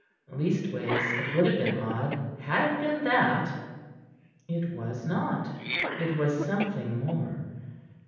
Leastways, it would have been odd, had it been that. It was not it was something more.